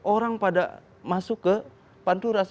orang pada masuk ke pantura